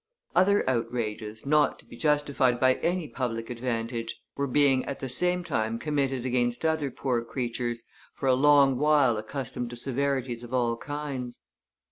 Other outrages, not to be justified by any public advantage, were being at the same time committed against other poor creatures, for a long while accustomed to severities of all kinds.